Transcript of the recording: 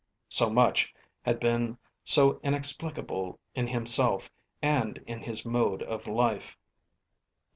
So much had been so inexplicable in himself and in his mode of life.